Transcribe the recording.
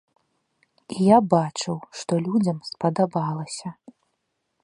І я бачыў, што людзям спадабалася.